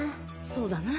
そうだな。